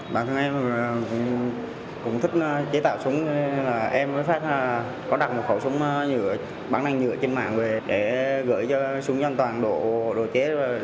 bản thân em cũng thích chế tạo súng nên em với phát có đặt một khẩu súng bán đạn nhựa trên mạng về để gửi cho súng an toàn độ chế